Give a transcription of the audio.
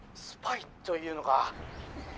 スパイというのか。